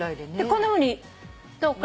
こんなふうに遠くから。